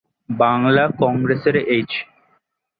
বাংলা কংগ্রেস এর এইচ।